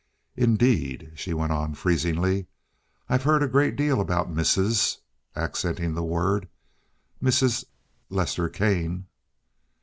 "Indeed," she went on freezingly. "I've heard a great deal about Mrs.—" accenting the word "Mrs.—Lester Kane."